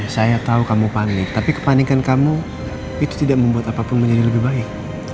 saya tahu kamu panik tapi kepanikan kamu itu tidak membuat apapun menjadi lebih baik